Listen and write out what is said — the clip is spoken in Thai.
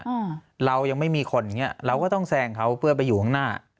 อ่าเรายังไม่มีคนอย่างเงี้ยเราก็ต้องแซงเขาเพื่อไปอยู่ข้างหน้า